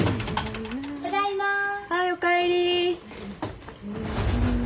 はいお帰り。